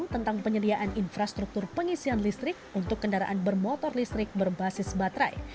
tentang penyediaan infrastruktur pengisian listrik untuk kendaraan bermotor listrik berbasis baterai